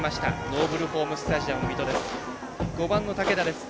ノーブルホームスタジアム水戸です。